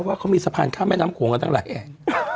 ว่าเขามีสะพานข้ามแม่น้ำโขงกันตั้งหลายแห่ง